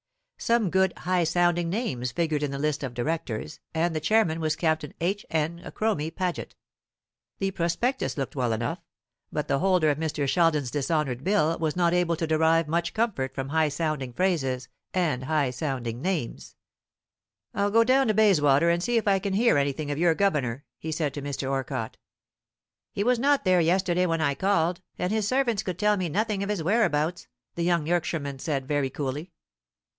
Some good high sounding names figured in the list of directors, and the chairman was Captain H. N. Cromie Paget. The prospectus looked well enough, but the holder of Mr. Sheldon's dishonoured bill was not able to derive much comfort from high sounding phrases and high sounding names. "I'll go down to Bayswater, and see if I can hear anything of your governor," he said to Mr. Orcott. "He was not there yesterday when I called, and his servants could tell me nothing of his whereabouts," the young Yorkshireman said very coolly.